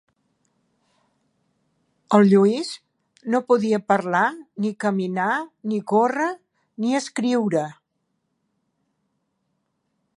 El Lluís no podia parlar ni caminar ni córrer ni escriure...